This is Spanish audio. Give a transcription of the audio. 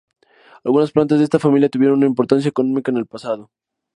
Algunas plantas de esta familia tuvieron una importancia económica en el pasado.